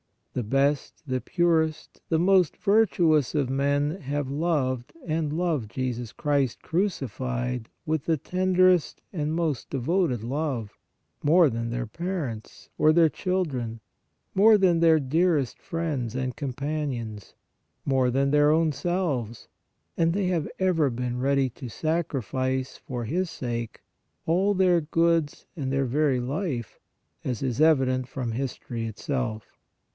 The best, the purest, the most virtuous of men have loved and love Jesus Christ crucified with the tenderest and most devoted love, more than their parents, or their children, more than their dearest friends and companions, more than their own selves, and they have ever been ready to sacrifice, for His sake, all their goods and their very life, as is evident from history itself.